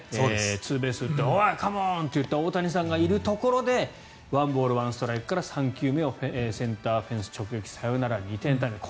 ツーベース打った大谷さんがカモンといったところで１ボール１ストライクから３球目をセンターフェンス直撃サヨナラ２点タイムリー。